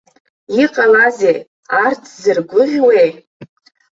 Иҟалазеи, арҭ зыргәыӷьуеи.